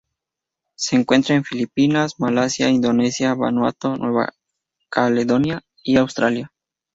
Se encuentra en las Filipinas, Malasia, Indonesia, Vanuatu, Nueva Caledonia y Australia.